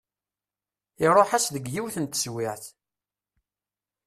Iruḥ-as deg yiwet n teswiɛt.